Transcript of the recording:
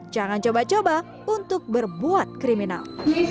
jangan coba coba untuk berbuat kriminal